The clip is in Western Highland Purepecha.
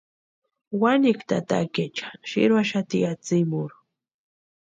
Wanikwa tatakaecha tsʼïruaxati atsïmurhu.